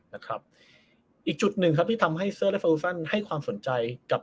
นะครับอีกจุดหนึ่งครับที่ทำให้เซอร์และฟูซันให้ความสนใจกับ